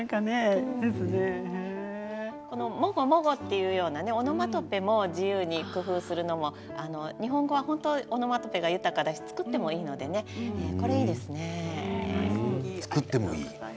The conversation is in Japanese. もごもごというオノマトペも自由に工夫するのも日本語はオノマトペが豊かだし作ってもいいのでこれ、いいですね。